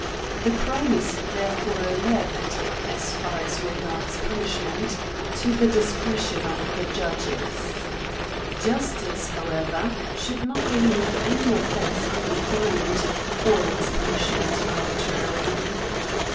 This crime is therefore left, as far as regards punishment, to the discretion of the judges. Justice, however, should not leave any offence undefined, or its punishment arbitrary.